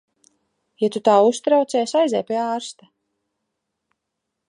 Ja tu tā uztraucies, aizej pie ārsta.